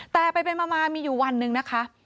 แต่ไปเป็นมามีอยู่วันนึงนะคะ